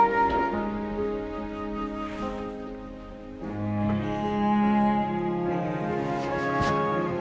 bisa dibawa semuanya